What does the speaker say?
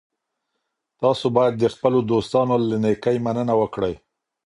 تاسي باید د خپلو دوستانو له نېکۍ مننه وکړئ.